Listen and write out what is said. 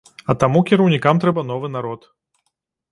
А таму кіраўнікам трэба новы народ.